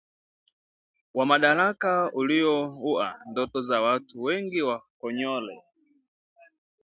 wa madaraka ulioua ndoto za watu wengi wa Konyole